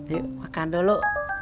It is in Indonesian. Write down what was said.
yuk makan dulu